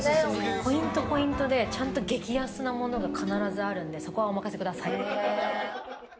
ポイント、ポイントでちゃんと激安なものが必ずあるんでそこはお任せください。